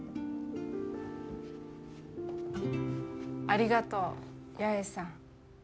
ありがとう八重さん。